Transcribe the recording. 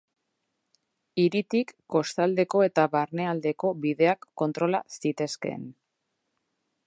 Hiritik kostaldeko eta barne aldeko bideak kontrola zitezkeen.